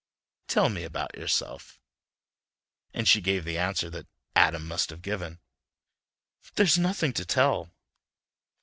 "Tell me about yourself." And she gave the answer that Adam must have given. "There's nothing to tell."